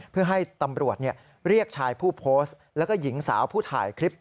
เพื่อให้ตำรวจเรียกชายผู้โพสต์แล้วก็หญิงสาวผู้ถ่ายคลิป